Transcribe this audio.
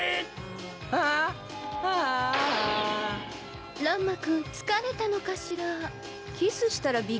あああ乱馬くん疲れたのかしら？